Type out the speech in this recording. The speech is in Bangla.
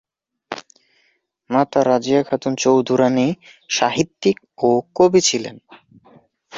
মাতা রাজিয়া খাতুন চৌধুরাণী সাহিত্যিক ও কবি ছিলেন।